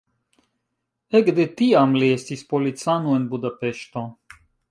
Ekde tiam li estis policano en Budapeŝto.